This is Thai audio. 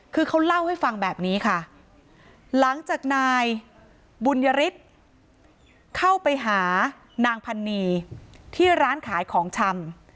คือเขาเล่าให้ฟังแบบนี้ค่ะหลังจากนายบุญยฤทธิ์เข้าไปหานางพันนีที่ร้านขายของชำ